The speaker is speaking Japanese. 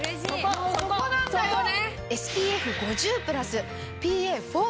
そこなんだよね！